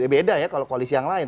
beda ya kalau koalisi yang lain